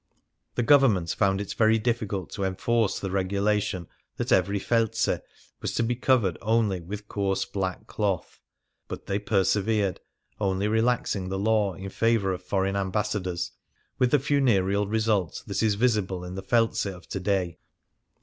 The Government found it log Things Seen in Venice very difficult to enforce the regulation that e\ery felze was to be covered only with coarse black cloth ; but they persevered, only relaxing the law in favour of foreign ambassadors, with the funereal result that is visible in the felze of to day.